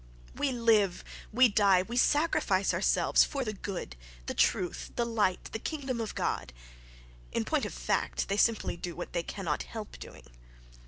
"We live, we die, we sacrifice ourselves for the good" (—"the truth," "the light," "the kingdom of God"): in point of fact, they simply do what they cannot help doing.